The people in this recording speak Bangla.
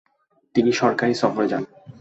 তিনি সরকারি সফরে যান।